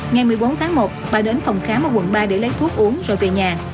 ngày một mươi bốn tháng một bà đến phòng khám ở quận ba để lấy thuốc uống rồi về nhà